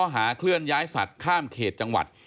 หาเคลื่อนย้ายสัตว์ข้ามเขตจังหวัด